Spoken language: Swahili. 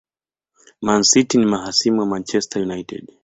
Man city ni mahasimu wa Manchester United